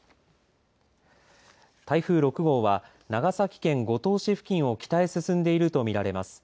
台風６号は長崎県五島市付近を北へ進んでいると見られます。